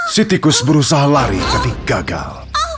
sitikus berusaha lari tapi gagal